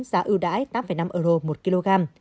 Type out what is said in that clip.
giá ưu đãi tám năm euro một kg